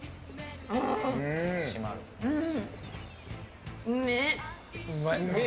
うん！